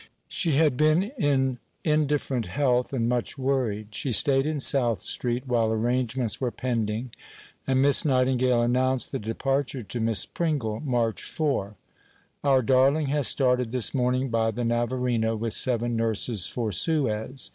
She had been in indifferent health and much worried. She stayed in South Street while arrangements were pending, and Miss Nightingale announced the departure to Miss Pringle (March 4): "Our darling has started this morning by the Navarino with seven nurses for Suez.